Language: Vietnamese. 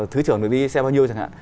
thứ trưởng được đi xe bao nhiêu chẳng hạn